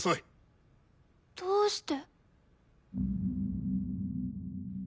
どうして？